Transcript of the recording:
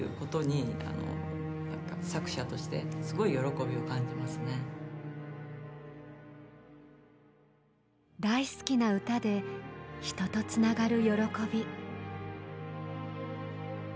こうやって大好きな歌で人とつながる喜び。